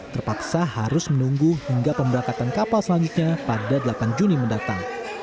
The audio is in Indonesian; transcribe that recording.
terpaksa harus menunggu hingga pemberangkatan kapal selanjutnya pada delapan juni mendatang